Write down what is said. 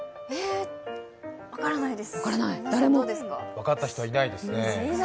分かった人はいないですね。